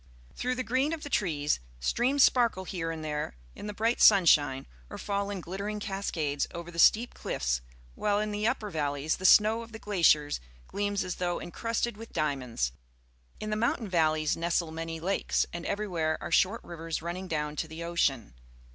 Through the green of the trees, streams sparkle here and there in the bright sunshine or fall in glittering cascades over the steep cliffs, while in the upper valleys the snow of the glaciers gleams as though encrusted with diamonds. In the mountain valleys nestle many lakes, and everywhere are short rivers running down to the ocean.